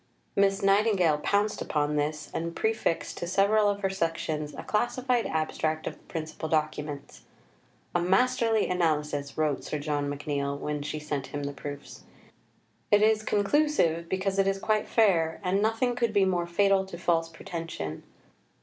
Miss Nightingale pounced upon this, and prefixed to several of her sections a classified abstract of the principal documents. "A masterly analysis," wrote Sir John McNeill, when she sent him the proofs; "it is conclusive, because it is quite fair, and nothing could be more fatal to false pretension."